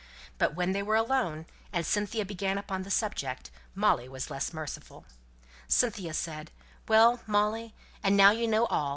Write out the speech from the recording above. But when they were alone, and Cynthia began upon the subject, Molly was less merciful. Cynthia said, "Well, Molly, and now you know all!